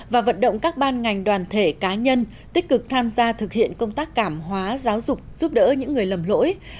và vận động các ban ngành đoàn thể cá nhân tích cực tham gia thực hiện công tác cảm hóa giáo dục giúp đỡ những người lầm lỗi